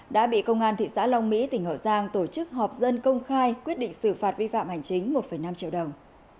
đã bị công an thị xã long mỹ tỉnh hậu giang tổ chức họp dân công khai quyết định xử phạt vi phạm hành chính một năm triệu đồng